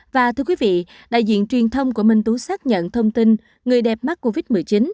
và thưa quý vị đại diện truyền thông của minh tú xác nhận thông tin người đẹp mắc covid một mươi chín